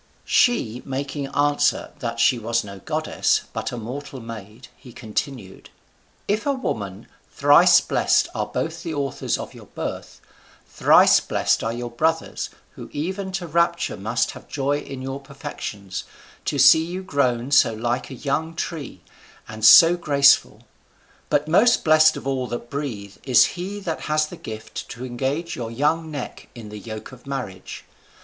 She making answer that she was no goddess, but a mortal maid, he continued: "If a woman, thrice blessed are both the authors of your birth, thrice blessed are your brothers, who even to rapture must have joy in your perfections, to see you grown so like a young tree, and so graceful. But most blessed of all that breathe is he that has the gift to engage your young neck in the yoke of marriage.